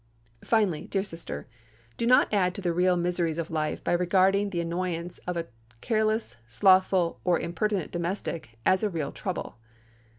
Finally, dear sister, do not add to the real miseries of life by regarding the annoyance of a careless, slothful, or impertinent domestic as a real trouble.